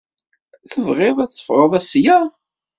Tebɣiḍ ad teffɣeḍ ssya?